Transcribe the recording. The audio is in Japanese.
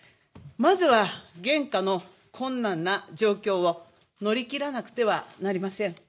まずは現下の困難な状況を乗り切らなくてはなりません。